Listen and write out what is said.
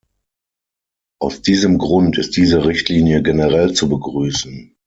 Aus diesem Grund ist diese Richtlinie generell zu begrüßen.